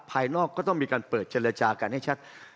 ภายนอกก็ต้องมีการเปิดเจรจากันให้ชัด